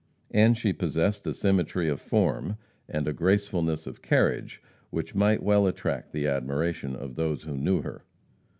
And she possessed a symmetry of form and a gracefulness of carriage which might well attract the admiration of those who knew her.